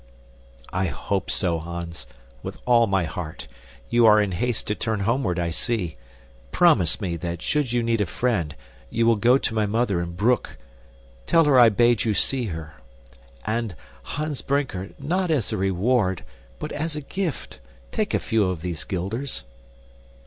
"I hope so, Hans, with all my heart. You are in haste to turn homeward, I see. Promise me that should you need a friend, you will go to my mother in Broek. Tell her I bade you see her. And, Hans Brinker, not as a reward, but as a gift, take a few of these guilders."